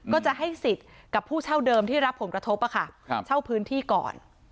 ก็จะให้สิทธิ์กับผู้เช่าเดิมที่รับผลกระทบเช่าพื้นที่ก่อน